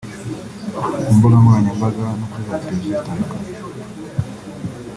ku mbuga nkoranyambaga no kuri za televiziyo zitandukanye